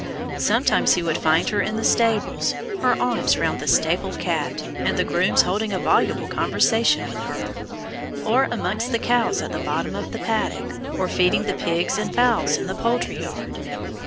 Sometimes he would find her in the stables, her arms round the stable cat, and the grooms holding a voluble conversation with her, or among the cows at the bottom of the paddock, or feeding the pigs and fowls in the poultry yard.